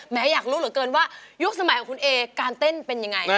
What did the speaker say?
อยากรู้เหลือเกินว่ายุคสมัยของคุณเอการเต้นเป็นยังไง